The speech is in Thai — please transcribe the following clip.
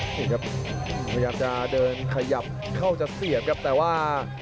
นี่ครับพยายามจะเดินขยับเข้าจะเสียบครับแต่ว่า